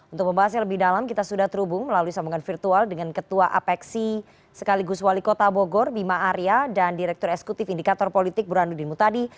untuk membahasnya lebih dalam kita sudah terhubung melalui sambungan virtual dengan ketua apeksi sekaligus wali kota bogor bima arya dan direktur eksekutif indikator politik burhanuddin mutadi